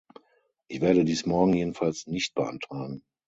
Ich werde dies morgen jedenfalls nicht beantragen.